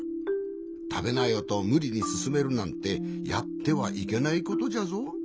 「たべなよ」とむりにすすめるなんてやってはいけないことじゃぞ。